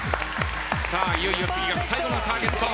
いよいよ次が最後のターゲット。